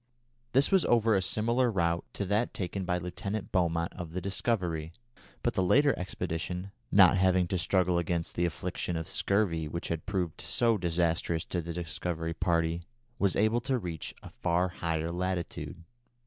This was over a similar route to that taken by Lieutenant Beaumont of the Discovery; but the later expedition, not having to struggle against the affliction of scurvy which had proved so disastrous to the Discovery party, was able to reach a far higher latitude.